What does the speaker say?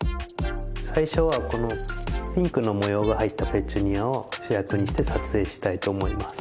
最初はこのピンクの模様が入ったペチュニアを主役にして撮影したいと思います。